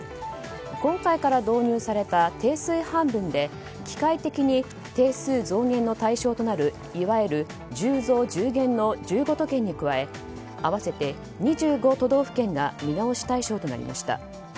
今回から導入された定数配分で機械的に定数増減の対象となるいわゆる１０増１０減の１５都県に加え合わせて２５都道府県が見直し対象となりました。